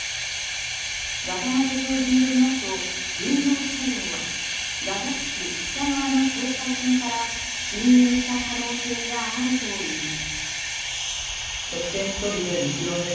渡邊教授によりますと軍用車両はガザ地区北側の境界線から侵入した可能性があるといいます。